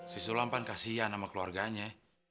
si sulampan kasian sama keluarganya